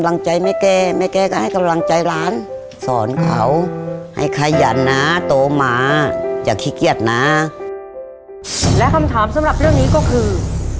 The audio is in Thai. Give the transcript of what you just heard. และคำถามสำหรับเรื่องนี้ก็คือ